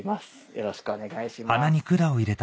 よろしくお願いします。